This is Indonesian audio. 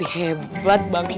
hebat bang dik